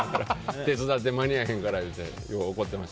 手伝って間に合わないからってよく言ってました。